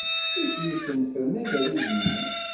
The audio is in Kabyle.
Iflisen ffren agerruj-nni.